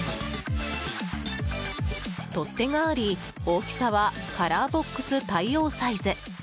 取っ手があり、大きさはカラーボックス対応サイズ。